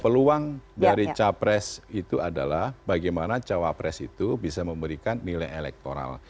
peluang dari capres itu adalah bagaimana cawapres itu bisa memberikan nilai elektoral